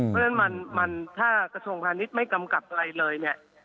เพราะฉะนั้นมันถ้ากระทรวงพาณิชย์ไม่กำกับอะไรเลยเนี่ย